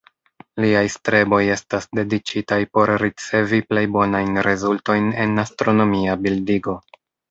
Liaj streboj estas dediĉitaj por ricevi plej bonajn rezultojn en astronomia bildigo.